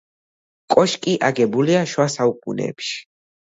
კოშკი აგებულია შუა საუკუნეებში.